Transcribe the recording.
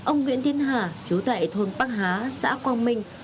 ông nguyễn tiến hà chú tại thôn bắc há xã quang minh